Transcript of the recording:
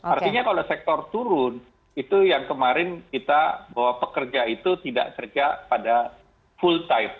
artinya kalau sektor turun itu yang kemarin kita bahwa pekerja itu tidak kerja pada full time